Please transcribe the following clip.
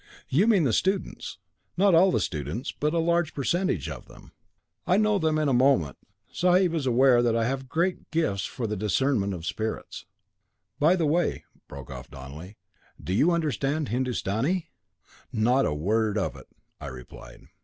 'You mean the students.' 'Not all the students, but a large percentage of them. I know them in a moment. Sahib is aware that I have great gifts for the discernment of spirits.' "By the way," broke off Donelly, "do you understand Hindustani?" "Not a word of it," I replied.